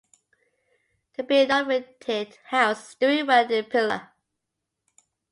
The Pre-Novitiate house is doing well in Pilar.